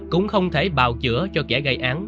cũng không thể bào chữa cho kẻ gây án